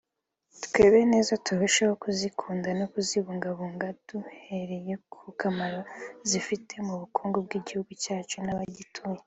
twe bene zo turusheho kuzikunda no kuzibungabunga duhereye ku kamaro zifite mu bukungu bw’Igihugu cyacu n’abagituye